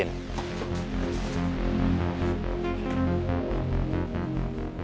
jangan kecewakan saya